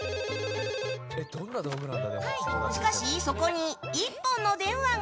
しかし、そこに１本の電話が。